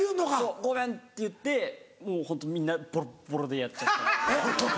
「ごめん」って言ってもうホントみんなボロッボロでやっちゃったりとか。